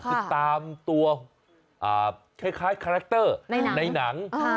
คือตามตัวคล้ายคาแรคเตอร์ในหนัง